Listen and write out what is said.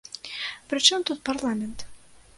Пры чым тут парламент?